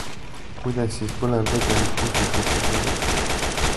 Kuidas siis põlevvedelik kustutisse sai?